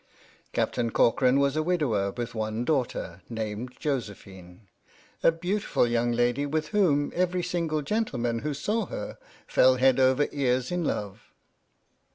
Captain Corcoran was a widower with one daugh ter, named Josephine, a beautiful young lady with whom every single gentleman who saw her fell head over ears in love.